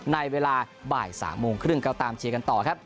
ในเวลาบ่าย๓โมงครึ่งก็ตามเชียร์กันต่อครับ